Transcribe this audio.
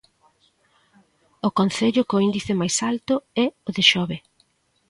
O concello co índice máis alto é o de Xove.